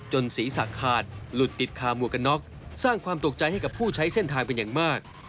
ศีรษะขาดหลุดติดคาหมวกกันน็อกสร้างความตกใจให้กับผู้ใช้เส้นทางเป็นอย่างมาก